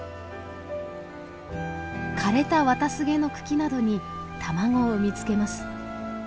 枯れたワタスゲの茎などに卵を産み付けます。